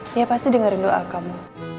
dia pasti dengerin doa kamu